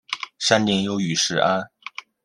山顶有雨石庵。